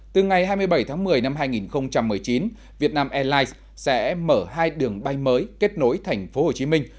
từ ngày hai mươi bảy tháng một mươi năm hai nghìn một mươi chín việt nam airlines sẽ mở hai đường bay mới kết nối thành phố hồ chí minh